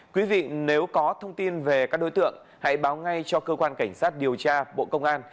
quý vị nếu có thông tin về các đối tượng hãy báo ngay cho cơ quan cảnh sát điều tra bộ công an